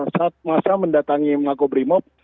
saat masa mendatangi mengaku primo